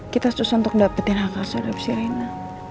kita susun untuk dapetin hak asol dari si reina